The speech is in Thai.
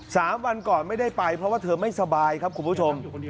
สามวันก่อนไม่ได้ไปเพราะว่าเธอไม่สบายครับคุณผู้ชม